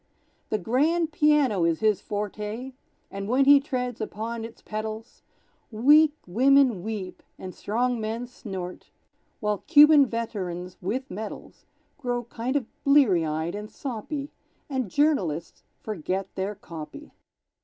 The grand piano is his forte, And when he treads upon its pedals, Weak women weep, and strong men snort, While Cuban veterans (with medals) Grow kind of bleary eyed and soppy; And journalists forget their "copy."